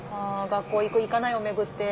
学校行く行かないを巡って。